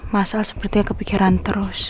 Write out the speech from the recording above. masal sepertinya kepikiran terus